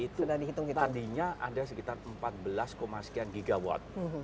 tadinya ada sekitar empat belas sekian gigawatt